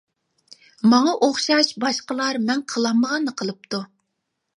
ماڭا ئوخشاش باشقىلار مەن قىلالمىغاننى قىلىپتۇ.